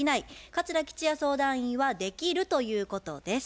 桂吉弥相談員は「できる」ということです。